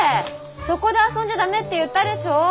そこで遊んじゃ駄目って言ったでしょ？